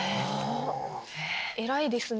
偉いですね！